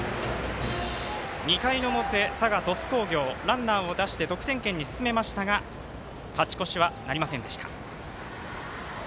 ２回の表、佐賀、鳥栖工業ランナーを出して得点圏に進めましたが勝ち越しはなりませんでした。